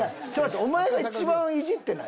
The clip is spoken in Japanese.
お前が一番いじってない？